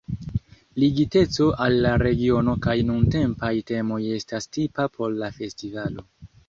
Ligiteco al la regiono kaj nuntempaj temoj estas tipa por la festivalo.